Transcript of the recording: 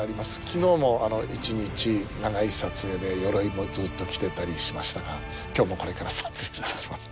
昨日も一日長い撮影で鎧もずっと着てたりしましたが今日もこれから撮影いたします。